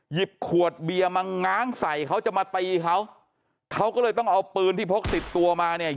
หยิบขวดเบียร์มาง้างใส่เขาจะมาตีเขาเขาก็เลยต้องเอาปืนที่พกติดตัวมาเนี่ย